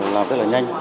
làm rất là nhanh